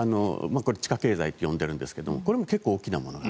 地下経済って呼んでるんですがこれも結構大きな問題。